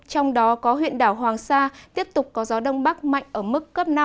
trong đó có huyện đảo hoàng sa tiếp tục có gió đông bắc mạnh ở mức cấp năm